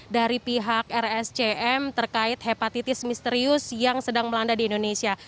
dari pihak rscm terkait hepatitis misterius yang sedang melanda di indonesia